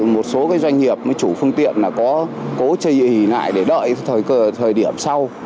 một số doanh nghiệp chủ phương tiện có chơi dị hỉ nại để đợi thời điểm sau